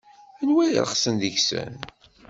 Anwa i irexsen deg-sen?